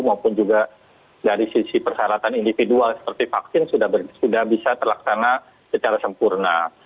maupun juga dari sisi persyaratan individual seperti vaksin sudah bisa terlaksana secara sempurna